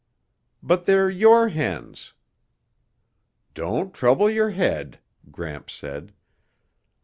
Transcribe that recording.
"But they're your hens." "Don't trouble your head," Gramps said.